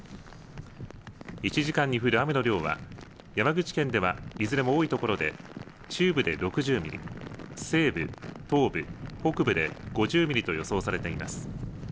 １時間に降る雨の量は山口県ではいずれも多いところで中部で６０ミリ、西部、東部、北部で５０ミリと予想されています。